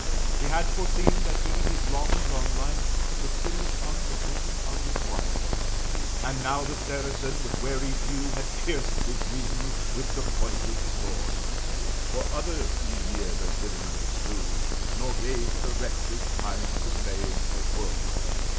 He had foreseen that he his long drawn life Should finish on the bosom of his wife. And now the Saracen with wary view Had pierced his weasand with the pointed sword. Four others he near that Diviner slew, Nor gave the wretches time to say a word.